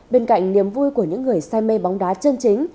bên cạnh niềm vui của những người say mê bóng đá chân chính